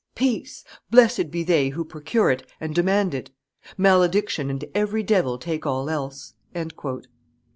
Peace! Blessed be they who procure it and demand it! Malediction and every devil take all else!"